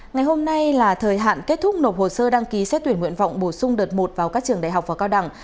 ngày hôm nay là thời hạn kết thúc nộp hồ sơ đăng ký xét tuyển nguyện vọng bổ sung đợt một vào các trường đại học và cao đẳng